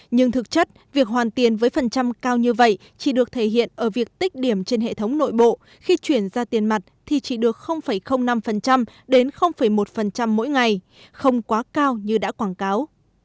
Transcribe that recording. nhưng thực chất việc hoàn tiền với phần trăm cao như vậy chỉ được thể hiện ở việc tích điểm trên hệ thống nội bộ khi chuyển ra tiền mặt thì chỉ được năm đến một mỗi ngày không quá cao như đã quảng cáo